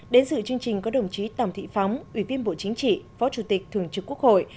đến dự chương trình có đồng chí tòng thị phóng ủy viên bộ chính trị phó chủ tịch thường trực quốc hội